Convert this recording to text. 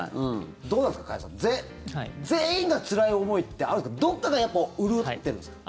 どうなんですか、加谷さん全員がつらい思いってあるどっかが潤ってるんですか？